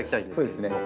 そうですね。